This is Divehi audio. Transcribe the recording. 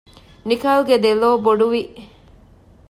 ނިކާލްގެ ދެލޯ ބޮޑުވި